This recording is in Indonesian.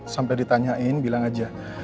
sampai ditanyain bilang aja